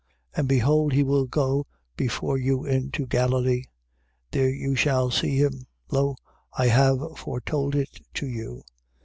And behold he will go before you into Galilee. There you shall see him. Lo, I have foretold it to you.